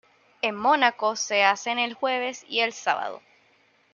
En Mónaco, se hacen el jueves y el sábado.